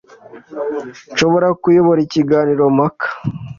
Nshobora: Kuyobora ikiganiro mpaka